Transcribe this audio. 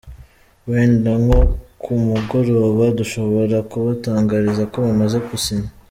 Wenda nko ku mugoroba dushobora kubatangariza ko bamaze gusinya.